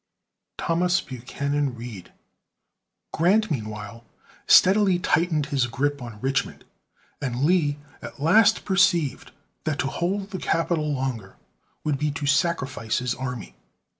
THOMAS BUCHANAN READ. Grant, meanwhile, steadily tightened his grip on Richmond, and Lee at last perceived that to hold the capital longer would be to sacrifice his army.